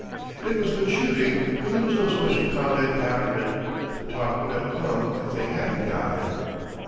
It was good shooting; but there was no special comment after it. The talk would have come if they hadn't got him.